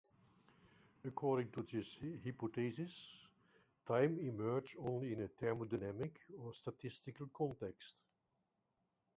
According to this hypothesis, time emerges only in a thermodynamic or statistical context.